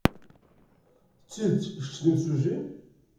D tidet kečč d imsujji?